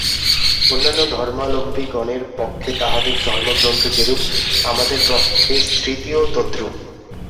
অন্যান্য ধর্মাবলম্বিগণের পক্ষে তাহাদের ধর্মগ্রন্থ যেরূপ, আমাদের পক্ষে স্মৃতিও তদ্রূপ।